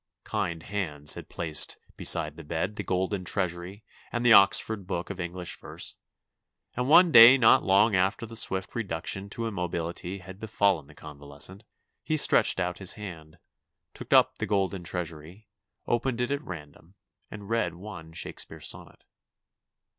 Kind hands had placed beside the bed the Golden Treasury and the Oxford Book of English Verse, and one day not long after the swift reduction to immobility had befallen the convalescent he stretched out his hand, took up the Golden Treasury, opened it at random, and read one Shakespeare sonnet.